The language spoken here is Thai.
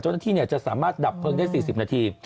เจ้าหน้าที่จะสามารถดับเพลิงได้๔๐นาที